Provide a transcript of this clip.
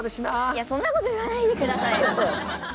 いやそんなこと言わないでくださいよ。